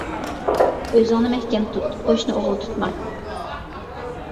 ئۆزۈڭنى مەھكەم تۇت، قوشنا ئوغرى تۇتما.